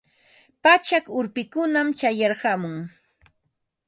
Pachak urpikunam chayarqamun.